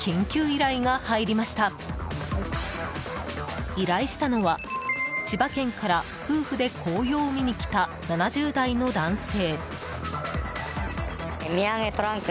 依頼したのは千葉県から夫婦で紅葉を見に来た７０代の男性。